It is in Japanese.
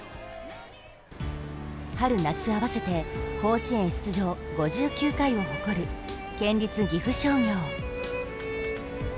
春夏合わせて甲子園出場５９回を誇る県立岐阜商業。